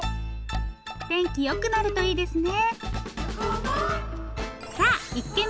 天気良くなるといいですね。